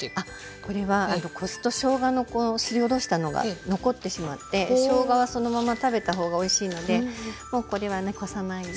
これはこすとしょうがのすりおろしたのが残ってしまってしょうがはそのまま食べた方がおいしいのでもうこれはねこさないで。